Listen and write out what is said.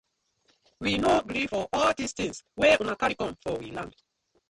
We no gree for all dis tinz wey una karry com for we land.